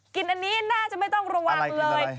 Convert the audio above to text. กินอันนี้น่าจะไม่ต้องระวังเลย